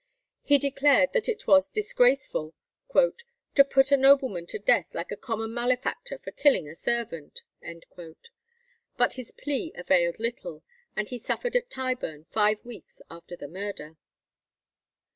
He declared that it was disgraceful "to put a nobleman to death like a common malefactor for killing a servant;" but his plea availed little, and he suffered at Tyburn five weeks after the murder.